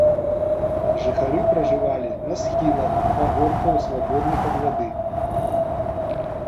Жыхары пражывалі на схілах пагоркаў свабодных ад вады.